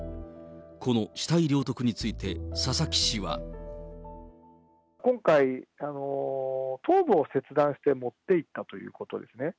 この死体領得について、今回、頭部を切断して持っていったということですね。